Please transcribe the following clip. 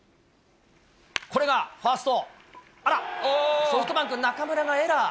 これがファースト、あら、ソフトバンク、中村がエラー。